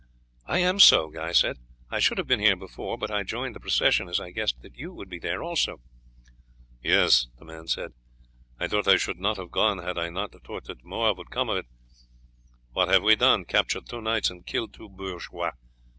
"I am so," Guy said. "I should have been here before, but I joined the procession, as I guessed that you would be there also." "Yes," the man said; "though I should not have gone had I not thought that more would come of it. What have we done? Captured two knights and killed two bourgeois!